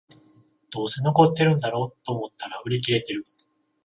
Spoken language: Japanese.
どうせ残ってんだろと思ったら売り切れてる